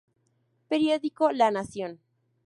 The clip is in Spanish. Periódico La Nación.